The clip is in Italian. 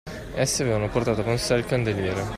Essi avevano portato con sé il candeliere